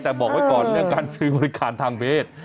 แต่บอกไว้ก่อนเรื่องการซื้อบริการทางเพศ